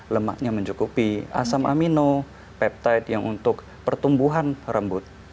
lemaknya mencukupi asam amino peptide yang untuk pertumbuhan rambut